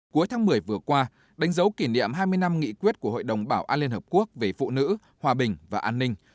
cuối tháng một mươi vừa qua đánh dấu kỷ niệm hai mươi năm nghị quyết của hội đồng bảo an liên hợp quốc về phụ nữ hòa bình và an ninh